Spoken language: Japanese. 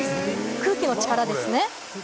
空気の力ですね。